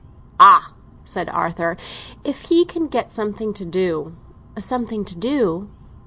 "Ah," said Arthur, "if he can get something to do." "Something to do?"